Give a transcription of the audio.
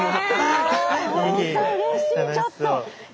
本当うれしいちょっと。